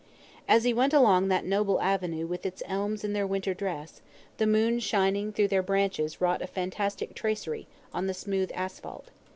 As he went along that noble avenue with its elms in their winter dress, the moon shining through their branches wrought a fantastic tracery, on the smooth asphalte.